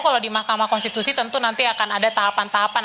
kalau di mahkamah konstitusi tentu nanti akan ada tahapan tahapan